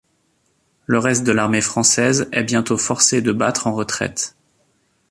Le reste de l'armée française est bientôt forcé de battre en retraite.